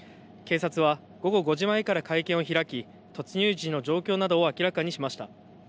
警察は午後５時前から会見を開き突入時の状況などを明らかにしました。